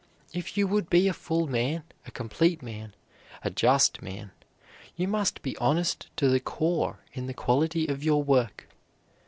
If you would be a full man, a complete man, a just man, you must be honest to the core in the quality of your work.